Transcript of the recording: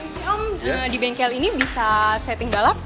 si om di bengkel ini bisa setting balap